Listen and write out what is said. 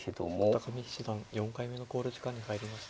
片上七段４回目の考慮時間に入りました。